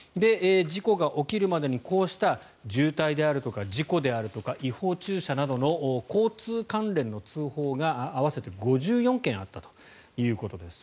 事故が起きるまでに、こうした渋滞であるとか事故であるとか違法駐車などの交通関連の通報が合わせて５４件あったということです。